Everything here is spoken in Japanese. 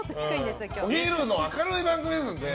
お昼の明るい番組ですので。